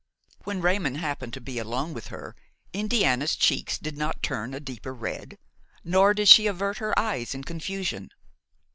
When Raymon happened to be alone with her, Indiana's cheeks did not turn a deeper red, nor did she avert her eyes in confusion.